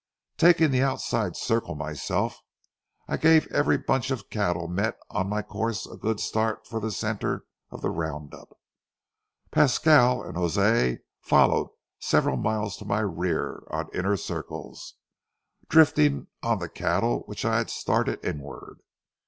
Taking the outside circle myself, I gave every bunch of cattle met on my course a good start for the centre of the round up. Pasquale and Jose followed several miles to my rear on inner circles, drifting on the cattle which I had started inward.